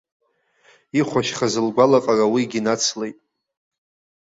Ихәашьхьаз лгәалаҟара уигьы нацлеит.